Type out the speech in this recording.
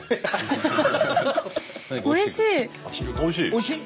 おいしい？